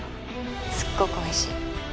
すっごくおいしい。